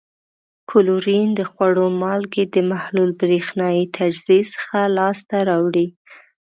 کلورین د خوړو مالګې د محلول برېښنايي تجزیې څخه لاس ته راوړي.